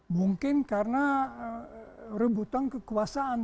mungkin karena rebutan kekuasaan